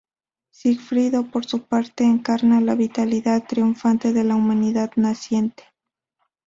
Sigfrido, por su parte, encarna la vitalidad triunfante de la humanidad naciente.